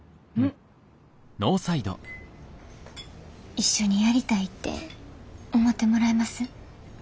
一緒にやりたいって思ってもらえます？